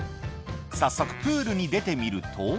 早速、プールに出てみると。